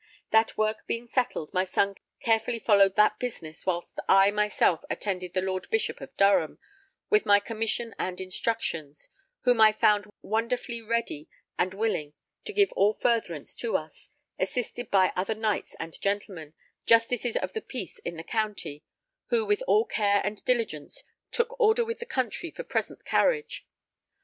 That work being settled, my son carefully followed that business whilst I myself attended the Lord Bishop of Durham with my commission and instructions, whom I found wonderfully ready and willing to give all furtherance to us, assisted by other knights and gentlemen, Justices of the Peace in the county; who with all care and diligence took order with the country for present carriage.